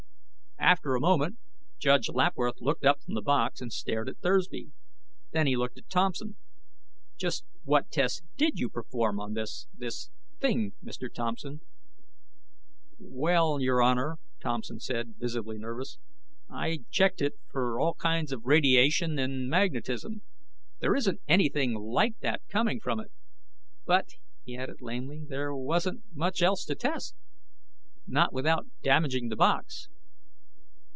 After a moment, Judge Lapworth looked up from the box and stared at Thursby. Then he looked at Thompson. "Just what tests did you perform on this ... this thing, Mr. Thompson?" "Well, Your Honor," Thompson said, visibly nervous, "I checked it for all kinds of radiation and magnetism. There isn't anything like that coming from it. But," he added lamely, "there wasn't much else to test. Not without damaging the box."